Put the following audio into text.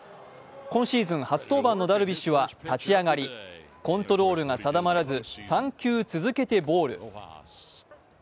今シーズン初登板のダルビッシュは立ち上がりコントロールが定まらず３球続けてボール。